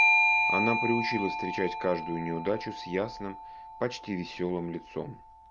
Она приучилась встречать каждую неудачу с ясным, почти весёлым лицом.